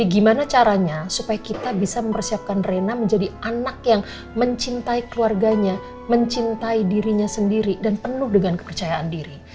karena caranya supaya kita bisa mempersiapkan rena menjadi anak yang mencintai keluarganya mencintai dirinya sendiri dan penuh dengan kepercayaan diri